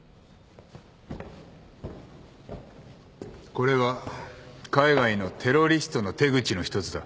これは海外のテロリストの手口の一つだ。